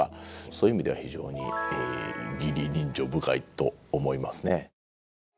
そういう意味では非常に義理人情深いと思いますね。